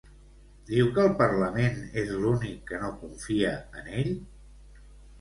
Diu que el Parlament és l'únic que no confia en ell?